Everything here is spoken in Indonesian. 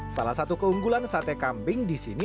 salah satu keunggulan sate kambing di sini